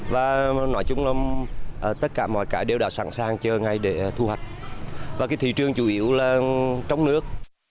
và nói chung là tất cả mọi cái đều đã sẵn sàng chờ ngày để thu hoạch và cái thị trường chủ yếu là trong nước